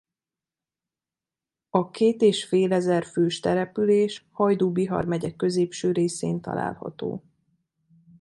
A két és félezer fős település Hajdú-Bihar megye középső részén található.